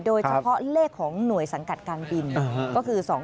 โดยเฉพาะเลขของหน่วยสังกัดการบินก็คือ๒๕๖